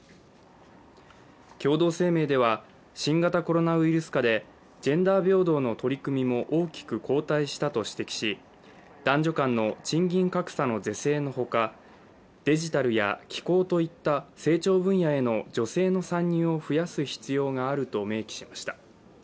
共同声明では、新型コロナウイルスコロナ禍でジェンダー平等の取り組みも大きく後退したと指摘し男女間の賃金格差の是正のほか、デジタルや気候といった成長分野への女性の参入を増やす必要があると明記しました。